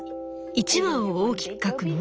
１羽を大きく描くの？